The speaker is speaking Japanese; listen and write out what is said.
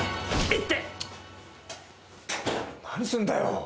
何すんだよ！